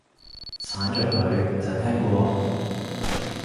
鏟咗佢，就聽過